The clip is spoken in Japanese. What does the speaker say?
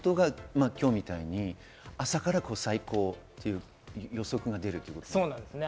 今日みたいに朝から最高という予測が出るということですか？